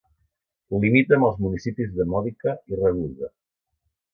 Limita amb els municipis de Modica i Ragusa.